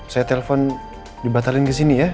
saya telpon dibatalin kesini ya